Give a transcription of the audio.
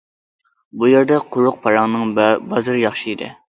بۇ يەردە قۇرۇق پاراڭنىڭ بازىرى ياخشى ئىدى.